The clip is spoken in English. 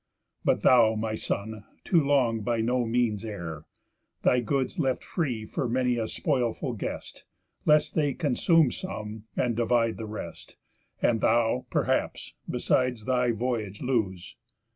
But thou, my son, too long by no means err, Thy goods left free for many a spoilful guest, Lest they consume some, and divide the rest, And thou, perhaps, besides, thy voyage lose.